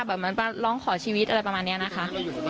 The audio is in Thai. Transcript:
แบบร้องขอชีวิตอะไรแบบนี้นะคะ